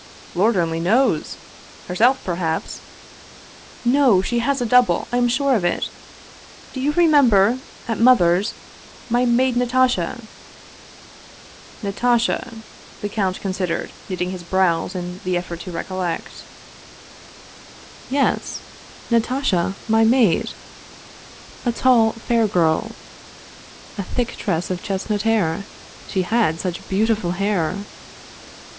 " Lord only knows ! Herself, perhaps !"" No, she has a double ! I am sure of it ! Do you re member, at mother's, my maid Natasha ?"" Natasha ?" the count considered, knitting his brows in the effort to recollect. " Yes, Natasha, my maid. A tall, fair girl. A thick tress of chestnut hair. She had such beautiful hair!